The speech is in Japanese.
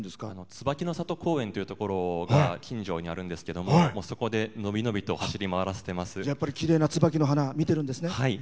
つばきの郷公園というところが近所にあるんですけどそこに伸び伸びときれいな椿の花を見てるんですね。